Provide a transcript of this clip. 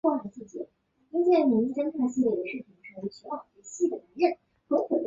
这次学生运动在数日内导致阿利雅的政府被迫允许在阿尔巴尼亚成立新的反对党派。